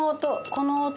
この音。